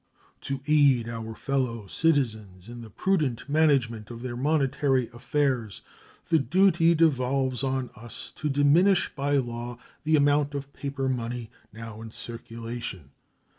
To aid our fellow citizens in the prudent management of their monetary affairs, the duty devolves on us to diminish by law the amount of paper money now in circulation.